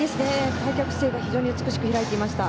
開脚姿勢が非常に素晴らしく開いていました。